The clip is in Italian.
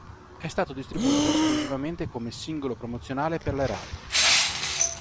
È stato distribuito esclusivamente come singolo promozionale per le radio.